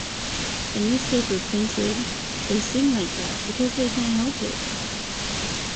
The newspaper printed, They sing like that because they can't help it.